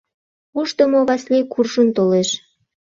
Ушдымо Васлий куржын толеш.